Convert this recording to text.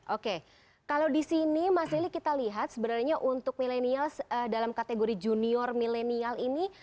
oke kalau di sini mas lili kita lihat sebenarnya untuk milenials dalam kategori junior milenial ini